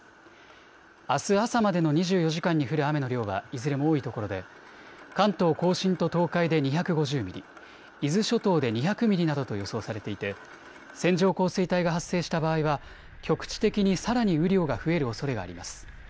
あす朝までの２４時間に降る雨の量はいずれも多いところで関東甲信と東海で２５０ミリ、伊豆諸島で２００ミリなどと予想されていて線状降水帯が発生した場合は局地的にさらに雨量が増えるおそれがあります。